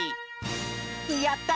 やった！